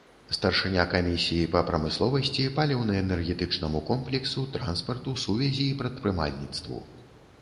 Старшыня камісіі па прамысловасці, паліўна-энергетычнаму комплексу, транспарту, сувязі і прадпрымальніцтву.